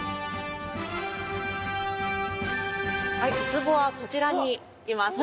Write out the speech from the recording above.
はいウツボはこちらにいます。